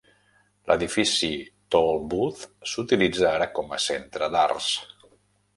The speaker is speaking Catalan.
L'edifici Tolbooth s'utilitza ara com a Centre d'Arts.